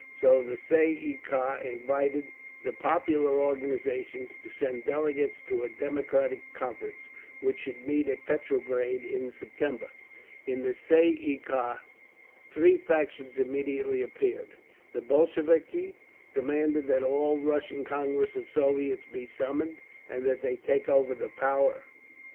So the Tsay ee kah invited the popular organisations to send delegates to a Democratic Conference, which should meet at Petrograd in September. In the Tsay ee kah three factions immediately appeared. The Bolsheviki demanded that the All Russian Congress of Soviets be summoned, and that they take over the power.